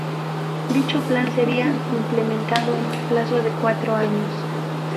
Dicho plan sería implementado en un plazo de cuatro años.